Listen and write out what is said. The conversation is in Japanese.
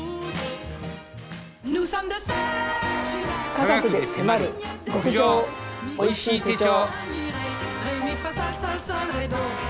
「科学でせまる極上おいしい手帖」。